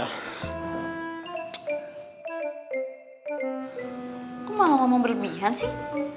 kok malu ngomong berlebihan sih